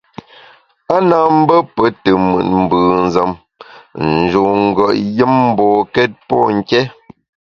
A na mbe pe te mùt mbùnzem, ń njun ngùet yùm mbokét pô nké.